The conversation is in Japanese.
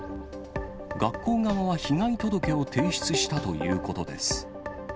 学校側は被害届を提出したということです。